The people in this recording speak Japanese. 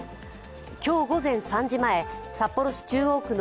今日午前３時前、札幌市中央区の